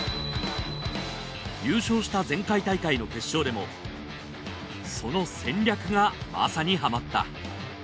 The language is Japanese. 優勝した前回大会の決勝でもその戦略がまさにハマった。